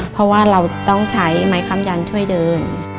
เพราะว่าเราจะต้องใช้ไม้คำยันช่วยเดิน